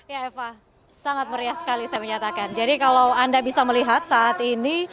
ya eva sangat meriah sekali saya menyatakan jadi kalau anda bisa melihat saat ini